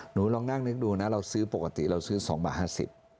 หนูลองนั่งนึกดูนะปกติเราซื้อ๒บาท๕๐